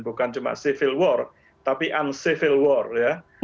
bukan cuma civil war tapi uncevil war ya